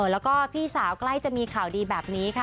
แล้วก็พี่สาวใกล้จะมีข่าวดีแบบนี้ค่ะ